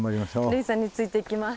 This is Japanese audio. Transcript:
類さんについていきます。